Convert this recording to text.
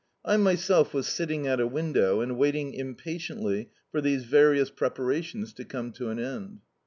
I myself was sitting at a window and waiting impatiently for these various preparations to come to an end.